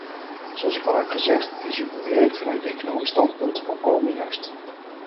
Zoals ik al heb gezegd, is uw bewering vanuit economisch standpunt volkomen juist.